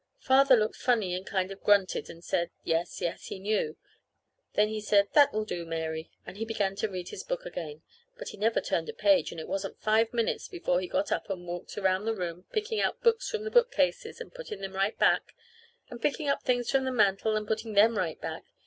Father looked funny and kind of grunted and said, yes, yes, he knew. Then he said, "That will do, Mary." And he began to read his book again. But he never turned a page, and it wasn't five minutes before he got up and walked around the room, picking out books from the bookcases and putting them right back, and picking up things from the mantel and putting them right back.